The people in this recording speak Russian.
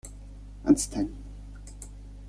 Отстань!